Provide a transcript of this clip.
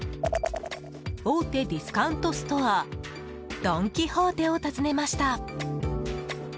大手ディスカウントストアドン・キホーテを訪ねました。